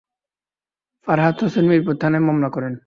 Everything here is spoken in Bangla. ফরহাদ হোসেন মিরপুর থানায় মামলা করেন।